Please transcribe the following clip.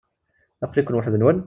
Aqli-ken weḥd-nwen?